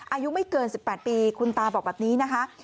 อายุไม่เกิน๑๘ปีคุณตาบอกแบบนี้นะคะ